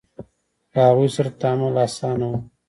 له هغوی سره تعامل اسانه و.